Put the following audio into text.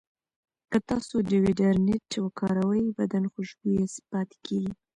که تاسو ډیوډرنټ وکاروئ، بدن خوشبویه پاتې کېږي.